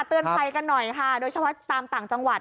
เตือนภัยกันหน่อยค่ะโดยเฉพาะตามต่างจังหวัด